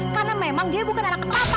karena memang dia bukan anak papa